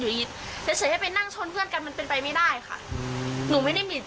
ทักแล้วก็หายไปทักแล้วแบบไม่ตอบติดต่อมาก็บอกว่าไม่มีไม่มี